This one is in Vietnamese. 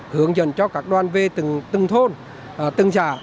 hướng dẫn cho các đoàn về từng thôn từng xã